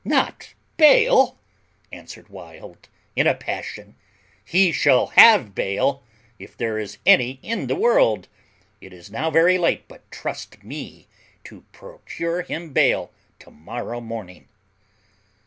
"Not bail!" answered Wild, in a passion; "he shall have bail, if there is any in the world. It is now very late, but trust me to procure him bail to morrow morning."